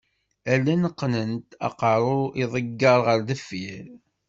Allen qqnent aqerru iḍegger ɣer deffir.